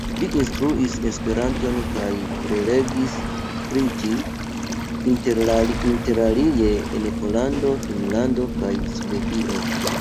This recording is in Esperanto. Li instruis Esperanton kaj prelegis pri ĝi, interalie en Pollando, Finnlando kaj Svedio.